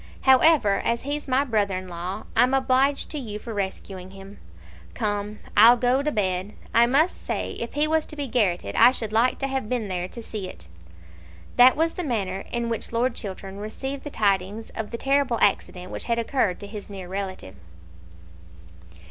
However, as he's my brother in law, I'm obliged to you for rescuing him. Come, I'll go to bed. I must say, if he was to be garrotted I should like to have been there to see it." That was the manner in which Lord Chiltern received the tidings of the terrible accident which had occurred to his near relative.